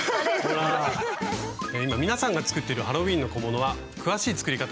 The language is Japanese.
今皆さんが作っているハロウィーンの小物は詳しい作り方